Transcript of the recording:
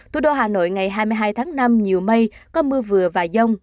thủ đô hà nội ngày hai mươi hai tháng năm nhiều mây có mưa vừa và dông